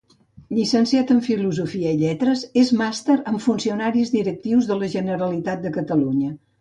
Llicenciat en Filosofia i Lletres, és màster en Funcionaris Directius de la Generalitat de Catalunya.